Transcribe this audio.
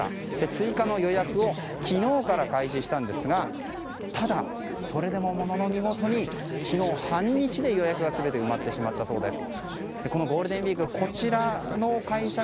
追加の予約を昨日から開始したんですがただ、それでもものの見事に昨日半日で予約が全て埋まってしまったそうです。